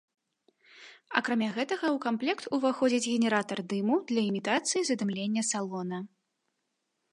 Акрамя гэтага ў камплект уваходзіць генератар дыму для імітацыі задымлення салона.